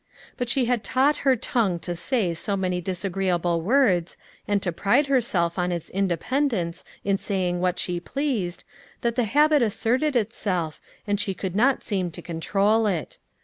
But she had taught her tongue to say so many disagreeable words, and to pride itself on its independence in saying what she pleased, that the habit asserted itself, and she could not seem to controj it.